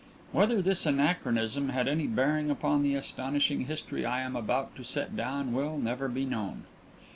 Whether this anachronism had any bearing upon the astonishing history I am about to set down will never be known.